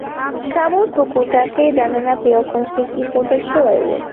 کمود په کوټه کې دننه په یو کونج کې ایښودل شوی و.